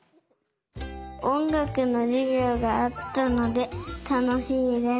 おんがくのじゅぎょうがあったのでたのしいです。